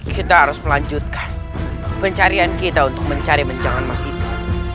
kita harus melanjutkan pencarian kita untuk mencari bencang emas itu